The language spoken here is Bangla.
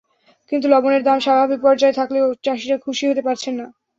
কিন্তু লবণের দাম স্বাভাবিক পর্যায়ে থাকলেও চাষিরা খুশি হতে পারছেন না।